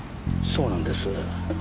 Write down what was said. そうなんです。